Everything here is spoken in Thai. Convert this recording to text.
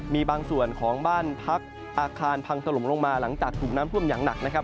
มีบางส่วนของบ้านพักอาคารพังถล่มลงมาหลังจากถูกน้ำท่วมอย่างหนักนะครับ